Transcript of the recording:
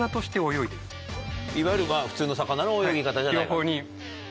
いわゆる普通の魚の泳ぎ方じゃないかと。